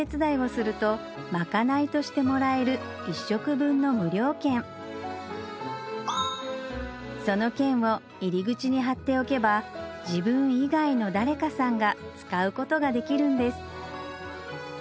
ただめし券は誰でもその券を入り口に貼っておけば自分以外の誰かさんが使うことができるんです